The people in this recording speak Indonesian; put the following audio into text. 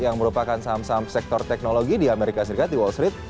yang merupakan saham saham sektor teknologi di amerika serikat di wall street